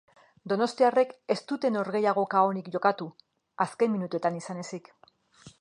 Donostiarrek ez dute norgehiagoka onik jokatu, azken minutuetan izan ezik.